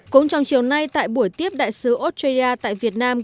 cũng trong chiều nay tại buổi tiếp đại sứ australia tại việt nam